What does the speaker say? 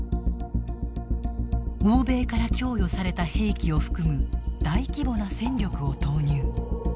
欧米から供与された兵器を含む大規模な戦力を投入。